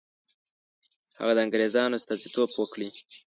هغه د انګرېزانو استازیتوب وکړي.